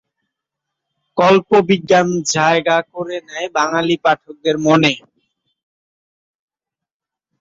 কল্পবিজ্ঞান জায়গা করে নেয় বাঙালি পাঠকদের মনে।